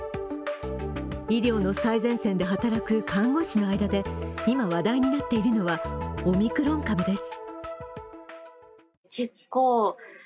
医療の最前線で働く看護師の間で今、話題になっているのはオミクロン株です。